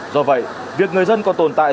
do vậy việc người dân còn tồn tại